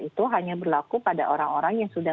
itu hanya berlaku pada orang orang yang sudah